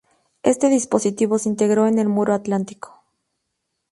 Este dispositivo se integró en el Muro atlántico.